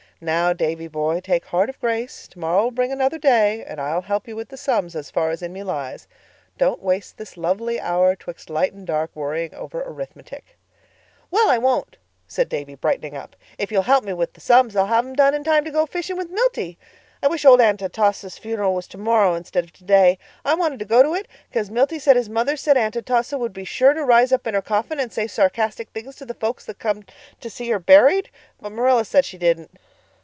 Now, Davy boy, take heart of grace. 'Tomorrow will bring another day' and I'll help you with the sums as far as in me lies. Don't waste this lovely hour 'twixt light and dark worrying over arithmetic." "Well, I won't," said Davy, brightening up. "If you help me with the sums I'll have 'em done in time to go fishing with Milty. I wish old Aunt Atossa's funeral was tomorrow instead of today. I wanted to go to it 'cause Milty said his mother said Aunt Atossa would be sure to rise up in her coffin and say sarcastic things to the folks that come to see her buried. But Marilla said she didn't."